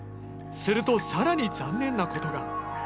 するとさらに残念なことが。